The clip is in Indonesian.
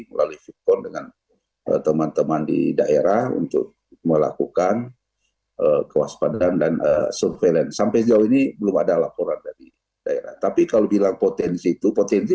besar sekali mungkin tinggal menunggu waktu